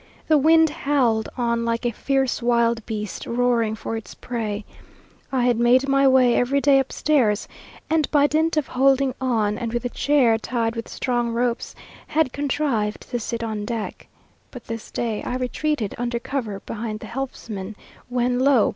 The wind howled on like a fierce wild beast roaring for its prey. I had made my way every day upstairs, and by dint of holding on, and with a chair tied with strong ropes, had contrived to sit on deck. But this day I retreated under cover behind the helmsman, when, lo!